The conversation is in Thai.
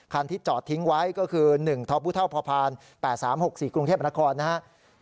ที่จอดทิ้งไว้ก็คือ๑ทพ๘๓๖๔กรุงเทพนครนะครับ